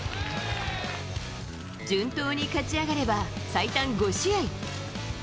順当に勝ち上がれば最短５試合。